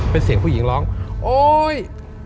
เป็นเสียงผู้หญิงร้องโอ๊ย